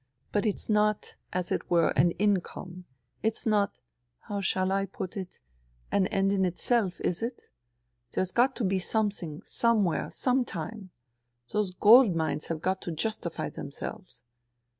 But it's not, as it were, an income ; it's not — how shall I put it ?— an end in itself, is it ? There's got to be something, somewhere, sometime. Those gold mines have got to justify themselves.